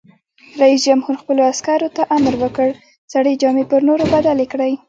رئیس جمهور خپلو عسکرو ته امر وکړ؛ زړې جامې پر نوو بدلې کړئ!